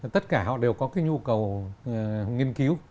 tất cả họ đều có cái nhu cầu nghiên cứu